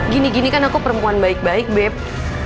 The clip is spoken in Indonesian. gini gini kan aku perempuan baik baik beb